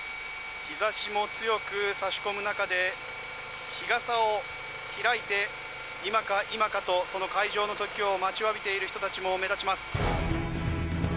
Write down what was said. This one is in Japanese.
日差しも強く差し込む中で日傘を開いて、今か今かとその開場の時を待ちわびている人たちも目立ちます。